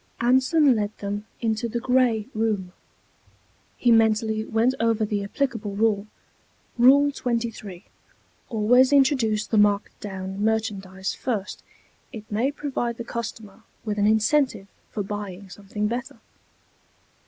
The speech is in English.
Anson led them into the Gray Room. He mentally went over the applicable rule: _Rule 23; Always introduce the marked down merchandise first. It may provide the customer with an incentive for buying something better.